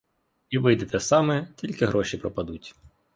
І вийде те саме, тільки гроші пропадуть.